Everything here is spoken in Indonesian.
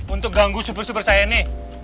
untuk ganggu supir supir saya ini